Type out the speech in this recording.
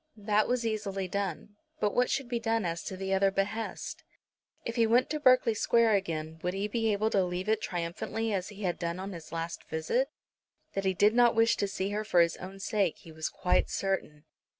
That was easily done; but what should be done as to the other behest? If he went to Berkeley Square again, would he be able to leave it triumphantly as he had done on his last visit? That he did not wish to see her for his own sake he was quite certain.